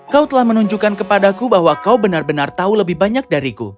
kau telah menunjukkan kepadaku bahwa kau benar benar tahu lebih banyak dariku